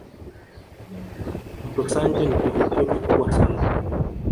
Mto Sanje ni kivutio kikubwa sana